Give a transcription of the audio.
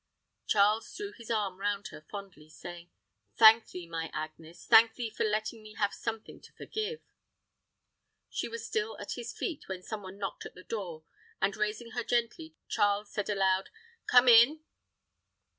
Charles threw his arm round her fondly, saying, "Thank thee, my Agnes thank thee for letting me have something to forgive." She was still at his feet, when some one knocked at the door, and, raising her gently, Charles said aloud, "Come in."